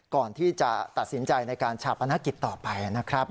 ก่อนที่จะตัดสินใจในการชาปนกิจต่อไปนะครับ